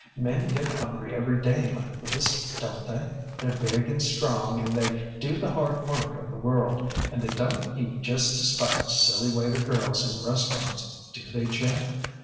Men get hungry every day like this, donŌĆÖt they? TheyŌĆÖre big and strong, and they do the hard work of the world, and they donŌĆÖt eat just to spite silly waiter girls in restaurants, do they, Jeff?